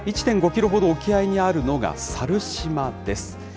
１．５キロほど沖合にあるのが猿島です。